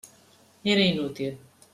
Era inútil.